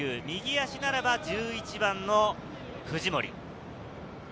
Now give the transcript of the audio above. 右足ならば１１番の藤森。